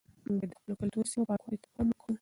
موږ باید د خپلو کلتوري سیمو پاکوالي ته پام وکړو.